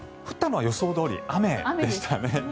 降ったのは予想どおり雨でしたね。